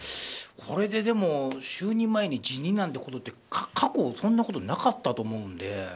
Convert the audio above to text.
これで、でも就任前に辞任なんてことって過去、そんなことなかったと思うので。